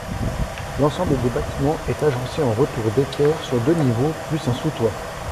L'ensemble des bâtiments est agencé en retour d'équerre sur deux niveaux, plus un sous-toit.